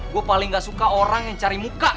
gue paling gak suka orang yang cari muka